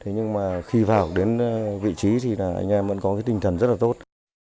nhưng khi vào đến vị trí thì anh em vẫn có tinh thần rất tốt